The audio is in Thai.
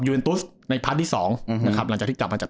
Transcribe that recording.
ยูเอ็นตุ๊กในพลาสที่สองนะครับหลังจากที่กลับมาจาก